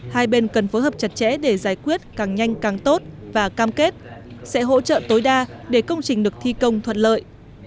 hai bên cần phối hợp chặt chẽ để giải quyết càng nhanh càng tốt và cam kết sẽ hỗ trợ tối đa để công trình được thi công thuận lợi